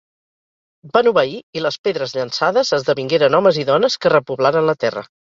Van obeir, i les pedres llançades esdevingueren homes i dones que repoblaren la terra.